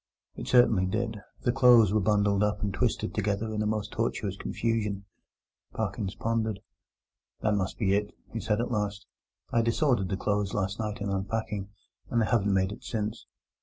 It certainly did: the clothes were bundled up and twisted together in a most tortuous confusion. Parkins pondered. "That must be it," he said at last: "I disordered the clothes last night in unpacking, and they haven't made it since.